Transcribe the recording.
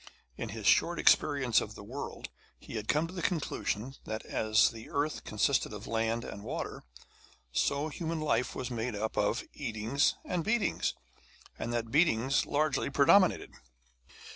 In his short experience of the world he had come to the conclusion that, as the earth consisted of land and water, so human life was made up of eatings and beatings, and that the beatings largely predominated.